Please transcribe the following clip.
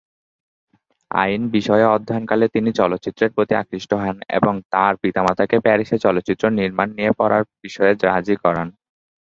আইন বিষয়ে অধ্যয়নকালে তিনি চলচ্চিত্রের প্রতি আকৃষ্ট হন এবং তার পিতামাতাকে প্যারিসে চলচ্চিত্র নির্মাণ নিয়ে পড়ার বিষয়ে রাজি করান।